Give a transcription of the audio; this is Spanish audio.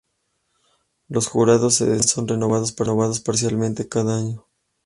Los jurados de selección son renovados parcialmente cada año.